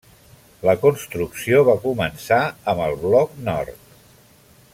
La construcció va començar amb el bloc nord.